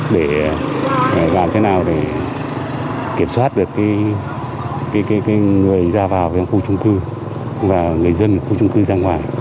để làm thế nào để kiểm soát được người ra vào khu trung cư và người dân khu trung cư ra ngoài